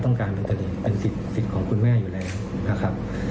การเป็นประเด็นเป็นสิทธิ์ของคุณแม่อยู่แล้วนะครับ